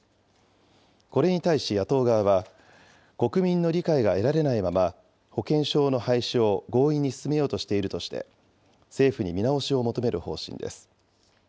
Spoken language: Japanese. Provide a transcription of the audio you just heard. これに対し野党側は、国民の理解が得られないまま、保険証の廃止を強引に進めようとしているとして、政府に見直しを求める方針です。